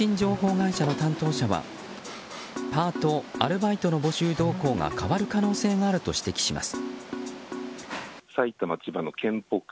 会社の担当者はパート・アルバイトの募集動向が変わる可能性があると指摘します。